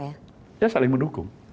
ya saling mendukung